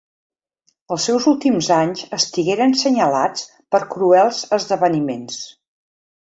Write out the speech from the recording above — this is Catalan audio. Els seus últims anys estigueren senyalats per cruels esdeveniments.